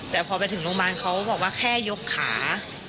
แต่พอไปถึงโรงพยาบาลเขาบอกว่าแค่ยกขา